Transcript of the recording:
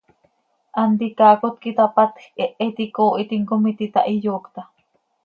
Hant icaaacot quih itapatjc, hehe iti icoohitim com iti itáh, iyoocta.